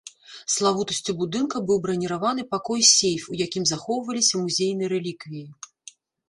Славутасцю будынка быў браніраваны пакой-сейф, у якім захоўваліся музейныя рэліквіі.